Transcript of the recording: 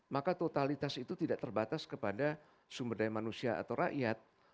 maka totalitas itu tidak terbatas kepada sumber daya manusia atau rakyat